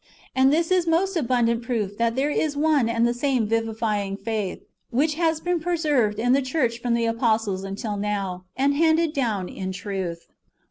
And this is most abundant proof that there is one and the same vivifying faith, which has been preserved in the church from the apostles until now, and handed down in truth.